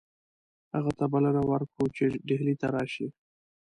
هغه ته به بلنه ورکړو چې ډهلي ته راشي.